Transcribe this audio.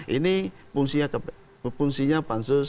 ini fungsinya pansus